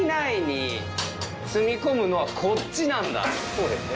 そうですね。